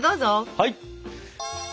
はい！